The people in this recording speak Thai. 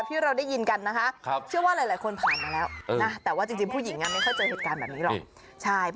พาไปด้วยหน่อย